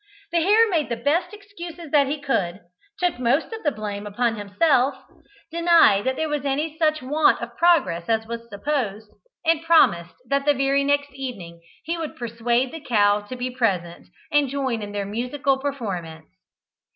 The hare made the best excuses that he could, took most of the blame upon himself, denied that there was any such want of progress as was supposed, and promised that the very next evening he would persuade the cow to be present, and join in their musical performance.